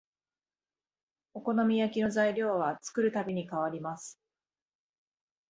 お好み焼きの材料は作るたびに変わります